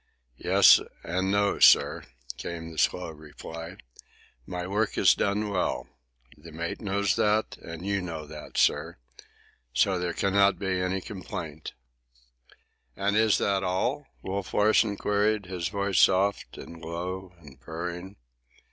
"Yes, and no, sir," was the slow reply. "My work is done well. The mate knows that, and you know it, sir. So there cannot be any complaint." "And is that all?" Wolf Larsen queried, his voice soft, and low, and purring.